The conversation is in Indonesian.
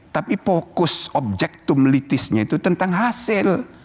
tapi fokus objektum litisnya itu tentang hasil